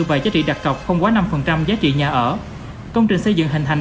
và giá trị đặc cọc không quá năm giá trị nhà ở công trình xây dựng hình thành